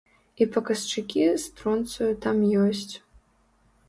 І паказчыкі стронцыю там ёсць.